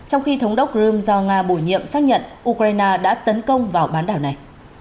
trong khi thống đốc crimea do nga bổ nhiệm xác nhận ukraine đã tấn công vào bán đảo này